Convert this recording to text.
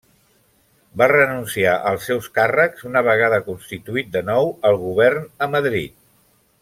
Va renunciar als seus càrrecs una vegada constituït de nou el govern a Madrid.